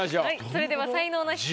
それでは才能ナシ